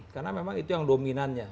karena memang itu yang dominannya